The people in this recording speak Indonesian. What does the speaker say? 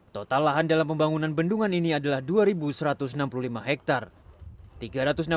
total lahan dalam pembangunan bendungan ini adalah dua satu ratus enam puluh lima hektare